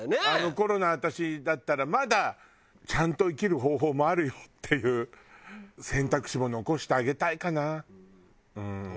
あの頃の私だったらまだちゃんと生きる方法もあるよっていう選択肢も残してあげたいかなうん。